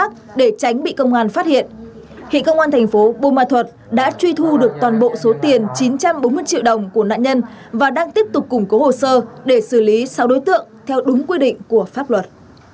công an phát hiện công an thành phố bù ma thuật đã truy thu được toàn bộ số tiền chín trăm bốn mươi triệu đồng của nạn nhân và đang tiếp tục củng cố hồ sơ để xử lý sáu đối tượng theo đúng quy định của pháp luật